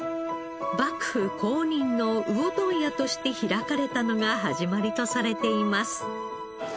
幕府公認の魚問屋として開かれたのが始まりとされています。